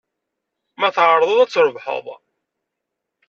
Ma tɛerḍeḍ, ad trebḥeḍ.